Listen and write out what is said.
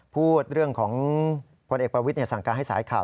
พูดเรื่องของพลเอกประวิทย์สั่งการให้สายข่าว